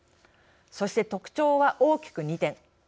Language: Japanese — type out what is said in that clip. そして特徴は大きく２点。